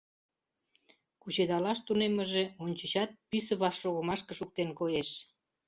Кучедалаш тунеммыже ончычат пӱсӧ вашшогымашке шуктен, коеш.